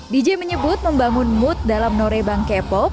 dj menyebut membangun mood dalam norebang k pop